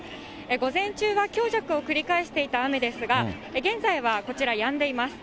午前中は強弱を繰り返していた雨ですが、現在はこちら、やんでいます。